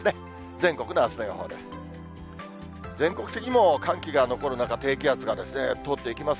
全国のあすの予報です。